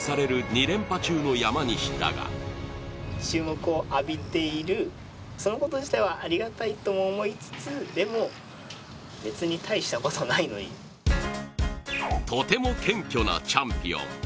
２連覇中の山西だがとても謙虚なチャンピオン。